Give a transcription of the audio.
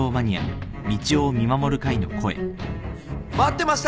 ・「待ってました！」